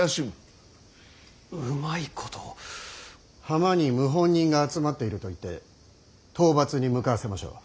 浜に謀反人が集まっていると言って討伐に向かわせましょう。